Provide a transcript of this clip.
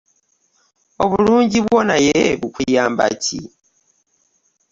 Obulungi bwo naye bukuyamba ki?